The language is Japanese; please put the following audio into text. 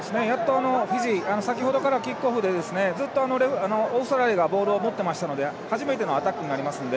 フィジーは先ほどからキックオフでずっとオーストラリアがボール持ってたので初めてのアタックになりますね。